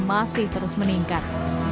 masih terus meningkat